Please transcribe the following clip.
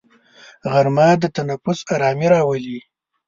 غرمه د تنفس ارامي راولي